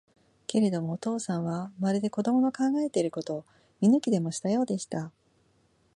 けれども、お父さんは、まるで子供の考えていることを見抜きでもしたようでした。